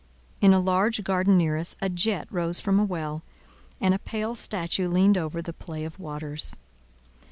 In a large garden near us, a jet rose from a well, and a pale statue leaned over the play of waters.